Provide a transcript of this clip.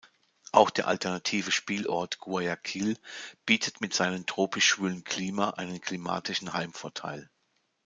Auch der alternative Spielort Guayaquil bietet mit seinem tropisch-schwülen Klima einen klimatischen Heimvorteil.